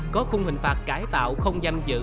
có khung hình phạt cải tạo không giam giữ